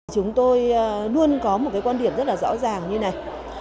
chúng tôi luôn có một quan điểm rất rõ ràng như này